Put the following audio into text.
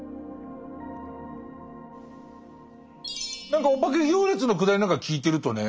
何かお化け行列のくだりなんか聞いてるとね